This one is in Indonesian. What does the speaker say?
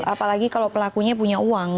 apalagi kalau pelakunya punya uang